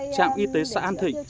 trạm y tế xã an thịnh